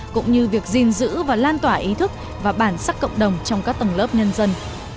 cũng như việc gìn giữ và lan tỏa ý thức và bản sắc cộng đồng trong các tầng lớp nhân dân